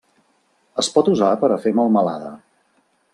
Es pot usar per a fer melmelada.